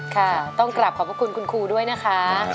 ค่ะต้องกลับขอบพระคุณคุณครูด้วยนะคะ